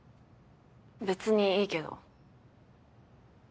別にいいけど。